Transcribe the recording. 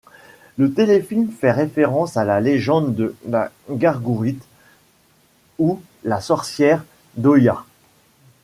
Le téléfilm fait référence à la légende de la Gargourite ou la sorcière d'Oya.